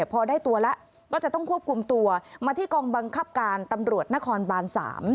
พอได้ตัวแล้วก็จะต้องควบคุมตัวมาที่กองบังคับการตำรวจนครบาน๓